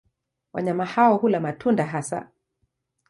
Wanyama hao hula matunda hasa.